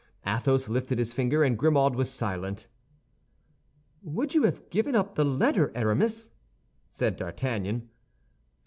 Athos lifted his finger, and Grimaud was silent. "Would you have given up the letter, Aramis?" said D'Artagnan.